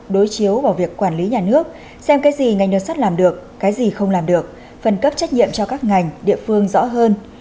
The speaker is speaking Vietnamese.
đối chiếu vào việc quản lý nhà nước xem cái gì ngành đường sắt làm được cái gì không làm được phân cấp trách nhiệm cho các ngành địa phương rõ hơn